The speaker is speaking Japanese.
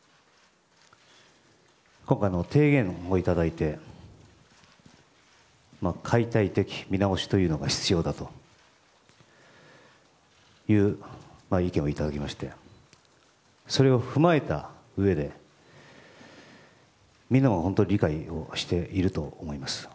今回、提言のほうをいただいて解体的見直しというのが必要だという意見をいただきましてそれを踏まえたうえでみんなは本当に理解をしていると思います。